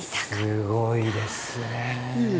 すごいですねぇ。